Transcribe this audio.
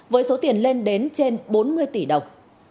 với số tiền lên đến trên bốn mươi tỷ đồng